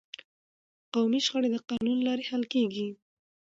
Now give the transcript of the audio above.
قومي شخړې د قانون له لارې حل کیږي.